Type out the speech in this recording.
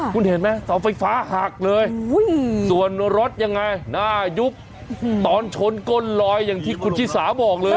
คุณเห็นไหมเสาไฟฟ้าหักเลยส่วนรถยังไงหน้ายุบตอนชนก้นลอยอย่างที่คุณชิสาบอกเลย